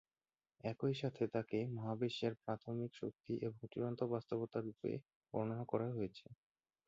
একই সাথে তাঁকে মহাবিশ্বের প্রাথমিক শক্তি এবং চূড়ান্ত বাস্তবতা রূপে বর্ণনা করা হয়েছে।